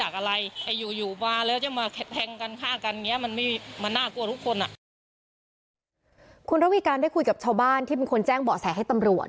คุณระวีการได้คุยกับชาวบ้านที่เป็นคนแจ้งเบาะแสให้ตำรวจ